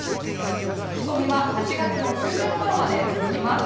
仕込みは８月の中旬ごろまで続きます。